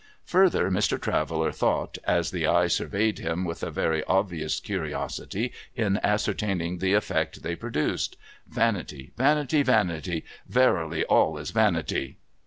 Further, Mr. Traveller thought, as the eye surveyed him with a very obvious curiosity in ascertaining the effect they produced, ' Vanity, vanity, vanity ! Verily, all is vanity